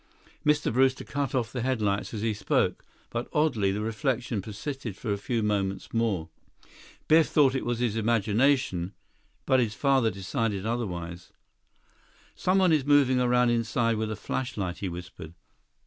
Mr. Brewster cut off the headlights as he spoke, but oddly, the reflection persisted for a few moments more. Biff thought it was his imagination, but his father decided otherwise. "Someone is moving around inside with a flashlight," he whispered.